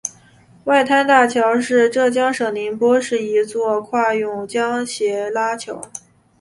外滩大桥是浙江省宁波市一座跨甬江斜拉桥。